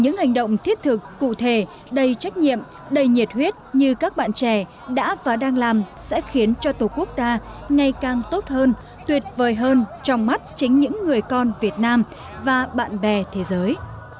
những hành động thiết thực cụ thể đầy trách nhiệm đầy nhiệt huyết như các bạn trẻ đã và đang làm sẽ khiến cho tổ quốc ta ngày càng tốt hơn tuyệt vời hơn trong mắt chính những người con việt nam và bạn bè thế giới